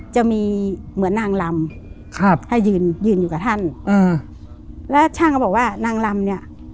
จะมีเหมือนนางลำครับให้ยืนยืนอยู่กับท่านอ่าแล้วช่างก็บอกว่านางลำเนี้ย